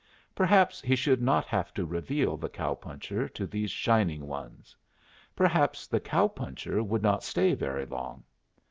Perhaps he should not have to reveal the cow puncher to these shining ones. Perhaps the cow puncher would not stay very long.